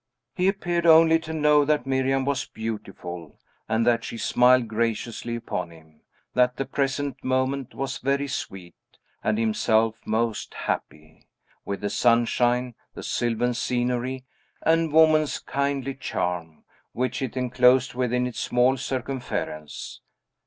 He appeared only to know that Miriam was beautiful, and that she smiled graciously upon him; that the present moment was very sweet, and himself most happy, with the sunshine, the sylvan scenery, and woman's kindly charm, which it enclosed within its small circumference.